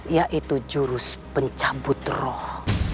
yaitu jurus pencabut roh